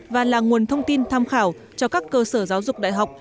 và là nguồn thông tin tham khảo cho các cơ sở giáo dục đại học